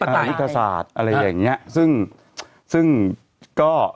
ทางยุทธศาสตร์อะไรอย่างเงี้ยซึ่งซึ่งก็